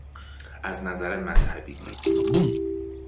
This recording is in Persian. از نظر مذهبی